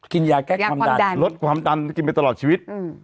กินยาแก้ความดันลดความดันให้กินไปตลอดชีวิต